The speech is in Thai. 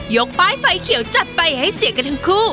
ป้ายไฟเขียวจัดไปให้เสียกันทั้งคู่